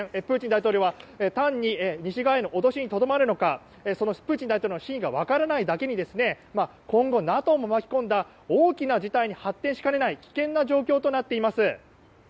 プーチン大統領は単に西側への脅しにとどまるのかプーチン大統領の真意が分からないだけに今後、ＮＡＴＯも巻き込んだ大きな事態に発展しかねない危険な状況となっています。